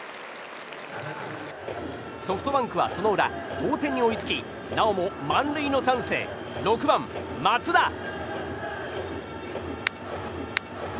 ソフトバンクはその裏、同点に追いつきなおも満塁のチャンスで６番、松田。